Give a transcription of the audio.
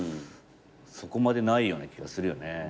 そこまでないような気がするよね。